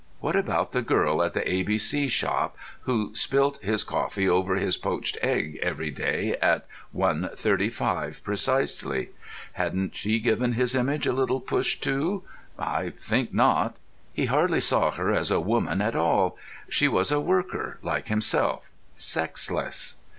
What about the girl at the A B C shop who spilt his coffee over his poached egg every day at one thirty five precisely? Hadn't she given his image a little push too? I think not. He hardly saw her as a woman at all. She was a worker, like himself; sexless.